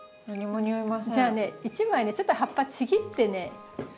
じゃあね１枚ちょっと葉っぱちぎってね。